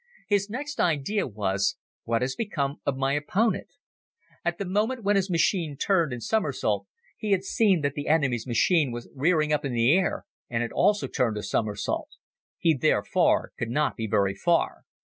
His next idea was: What has become of my opponent? At the moment when his machine turned its somersault he had seen that the enemy's machine was rearing up in the air and had also turned a somersault. He therefore could not be very far.